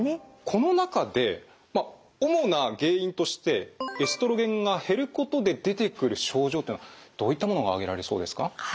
この中でまあ主な原因としてエストロゲンが減ることで出てくる症状っていうのはどういったものが挙げられそうですか？